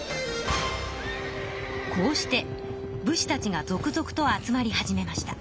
こうして武士たちが続々と集まり始めました。